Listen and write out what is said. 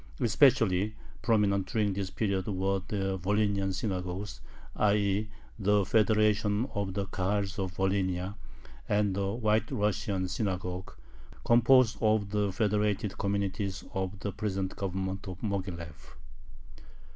Especially prominent during this period were the "Volhynian Synagogue," i. e. the federation of the Kahals of Volhynia, and the "White Russian Synagogue," composed of the federated communities of the present Government of Moghilev.